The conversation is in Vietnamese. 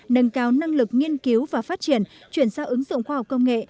nâng cao năng lực nghiên cứu và phát triển chuyển giao ứng dụng khoa học công nghệ